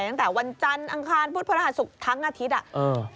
ตั้งแต่วันจันทร์อังคารพุธพระราชสุขทั้งอาทิตย์